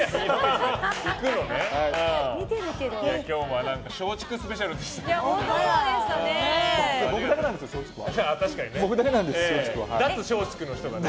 今日は松竹スペシャルでしたね。